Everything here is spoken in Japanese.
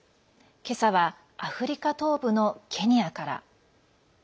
今朝はアフリカ東部のケニアから。